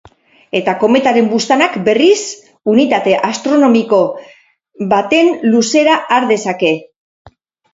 Eta kometaren buztanak, berriz, unitate astronomiko baten luzera har dezake.